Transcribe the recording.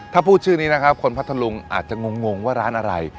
ถ้าพูดชื่อนี้นะครับคนพัทธลุงอาจจะงงว่าร้านอะไร